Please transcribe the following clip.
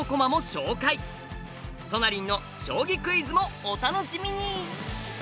トナりんの将棋クイズもお楽しみに！